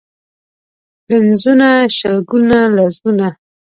پنځونه، شلګون ، لسګون.